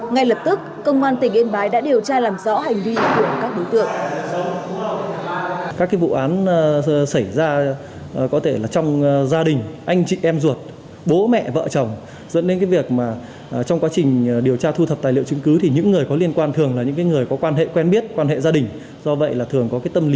ngay lập tức công an tình yên bái đã điều tra làm rõ hành vi của các đối tượng